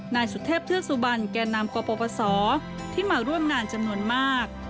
นายสุเทพธิวสุบัญแก่นามกปปสที่มาร่วมงานจำนวนมาก